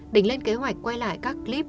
đình lên kế hoạch quay lại các clip